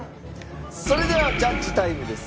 それではジャッジタイムです。